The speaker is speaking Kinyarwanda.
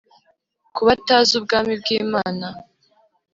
ku batazi ubwami bw'imana,